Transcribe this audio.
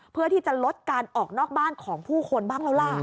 เพื่อที่จะลดการออกนอกบ้านของผู้คนบ้างแล้วล่ะ